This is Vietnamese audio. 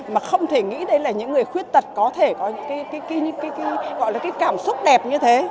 mà không thể nghĩ đấy là những người khuyết tật có thể có cái cảm xúc đẹp như thế